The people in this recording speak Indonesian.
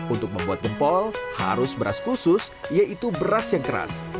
untuk membuat gempol harus beras khusus yaitu beras yang keras